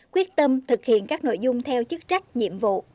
quyết tâm thực hiện các nội dung theo chức trách nhiệm vụ